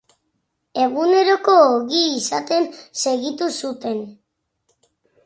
Eguneroko ogi izaten segitu zuten.